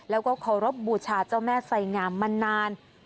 แล้วก็เคารพบูชาเจ้าแม่ไสงามมานาน